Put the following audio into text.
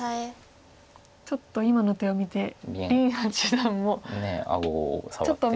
ちょっと今の手を見て林八段もちょっと。